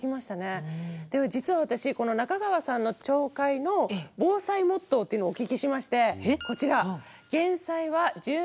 実は私この中川さんの町会の防災モットーというのをお聞きしましてこちら。